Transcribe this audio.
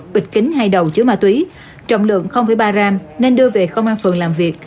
bịch kính hay đầu chứa ma túy trọng lượng ba gram nên đưa về công an phường làm việc